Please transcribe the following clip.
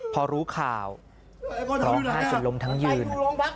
พอรู้ข่าวร้องไห้จนล้มทั้งยืน